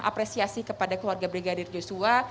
apresiasi kepada keluarga brigadir joshua